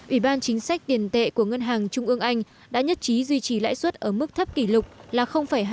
ủy ban chính sách tiền tệ của ngân hàng trung ương anh đã nhất trí duy trì lãi suất ở mức thấp kỷ lục là hai mươi năm